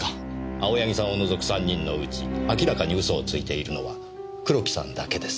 青柳さんを除く３人のうち明らかに嘘をついているのは黒木さんだけです。